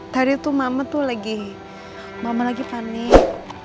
tadi tuh mama lagi panik